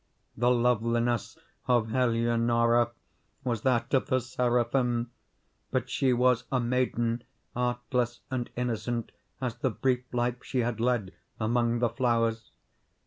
The loveliness of Eleonora was that of the Seraphim; but she was a maiden artless and innocent as the brief life she had led among the flowers.